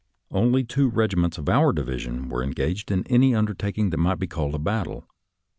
Only two regiments of our division were engaged in any undertaking that might be called a battle.